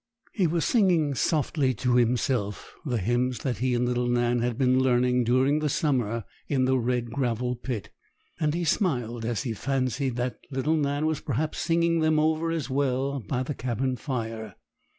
He was singing softly to himself the hymns that he and little Nan had been learning during the summer in the Red Gravel Pit; and he smiled as he fancied that little Nan was perhaps singing them over as well by the cabin fire.